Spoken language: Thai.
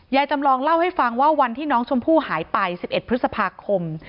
จำลองเล่าให้ฟังว่าวันที่น้องชมพู่หายไป๑๑พฤษภาคม